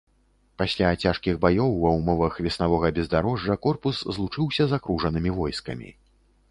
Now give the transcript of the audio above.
Пасля цяжкіх баёў ва ўмовах веснавога бездарожжа корпус злучыўся з акружанымі войскамі.